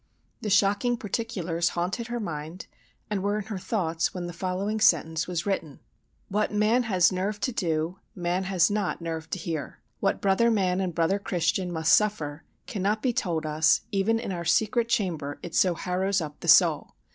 The shocking particulars haunted her mind and were in her thoughts when the following sentence was written: What man has nerve to do, man has not nerve to hear. What brother man and brother Christian must suffer, cannot be told us, even in our secret chamber, it so harrows up the soul.